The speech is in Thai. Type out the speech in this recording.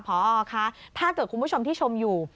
พอคะถ้าเกิดคุณผู้ชมที่ชมอยู่